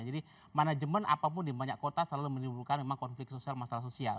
jadi manajemen apapun di banyak kota selalu menimbulkan memang konflik sosial masalah sosial